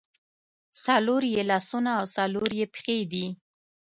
څلور یې لاسونه او څلور یې پښې دي.